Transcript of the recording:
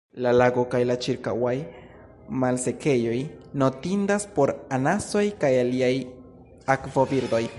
La lago kaj la ĉirkaŭaj malsekejoj notindas por anasoj kaj aliaj akvobirdoj.